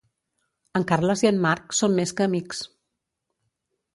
En Carles i en Marc són més que amics.